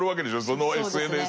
そのＳＮＳ。